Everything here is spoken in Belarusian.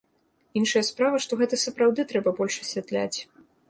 Іншая справа, што гэта сапраўды трэба больш асвятляць.